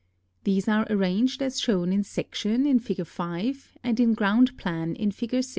These are arranged as shown in section in Fig. 5, and in ground plan in Fig.